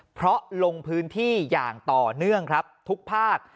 เพราะลงพื้นที่อย่างต่อเนื่องครับทุกภาค